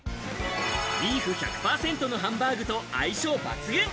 ビーフ１００％のハンバーグと相性抜群。